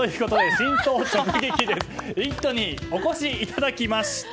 「イット！」にお越しいただきました。